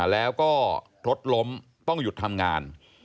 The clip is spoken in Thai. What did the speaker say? แล้วก็รถล้มต้องหยุดทำงาน